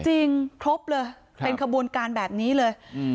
จริงทรพเลยครับเป็นการแบบนี้เลยอือ